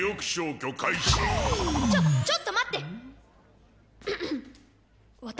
ちょ、ちょっと待って！